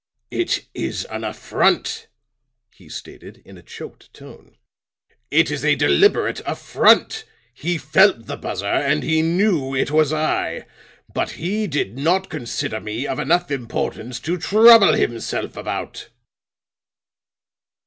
"It is an affront," he stated in a choked tone. "It is a deliberate affront. He felt the buzzer, and he knew it was I. But he did not consider me of enough importance to trouble himself about."